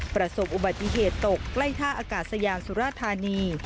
ประสบอุบัติเหตุตกใกล้ท่าอากาศยานสุราธานี